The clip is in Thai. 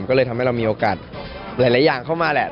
ก็เลยทำให้เรามีโอกาสหลายอย่างเข้ามาแหละ